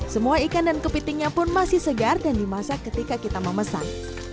semua ikan dan kepitingnya pun masih segar dan dimasak ketika kita memesan